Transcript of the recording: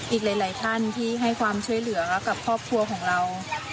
อีกหลายท่านที่ให้ความช่วยเหลือกับครอบครัวของเรา